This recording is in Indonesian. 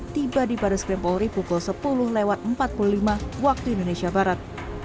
tiba di baris krim polri pukul sepuluh lewat empat puluh lima waktu indonesia barat